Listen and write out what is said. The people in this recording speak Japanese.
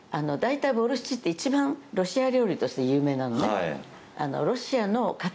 ボルシチってロシア料理として有名なのね。